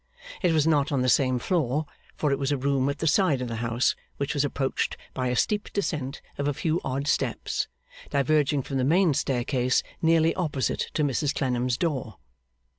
It was not on the same floor, for it was a room at the side of the house, which was approached by a steep descent of a few odd steps, diverging from the main staircase nearly opposite to Mrs Clennam's door.